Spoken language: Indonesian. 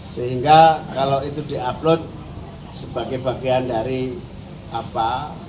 sehingga kalau itu di upload sebagai bagian dari apa